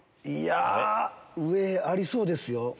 いや上ありそうですよ。